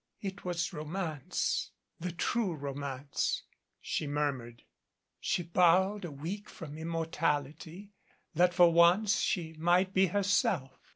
"It was Ro mance the true Romance," she murmured. "She bor rowed a week from Immortality that, for once, she might be herself.